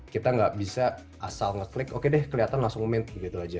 kita gak bisa asal ngeklik oke deh kelihatan langsung mint gitu aja